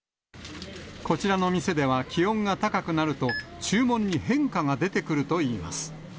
こちらの店では気温が高くなると、注文に変化が出てくるといいます。